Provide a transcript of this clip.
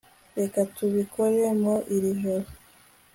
reka tubikore muri iri joro